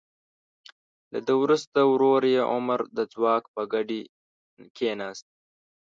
له ده وروسته ورور یې عمر د ځواک په ګدۍ کیناست.